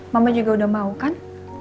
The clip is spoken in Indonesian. mama juga udah mau kan